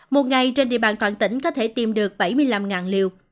một ngày trên địa bàn toàn tỉnh có thể tìm được bảy mươi năm liều